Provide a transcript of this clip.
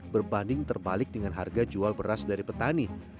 berbanding terbalik dengan harga jual beras dari petani